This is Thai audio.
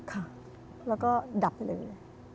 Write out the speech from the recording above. ค่ะแล้วก็ดับไปเลย